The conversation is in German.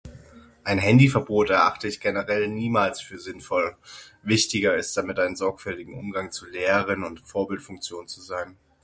Ein Handyverbot erachte ich generell niemals für sinnvoll, wichtiger ist damit ein sorgfältigen Umgang zu lehren und Vorbildfunktion zu sein.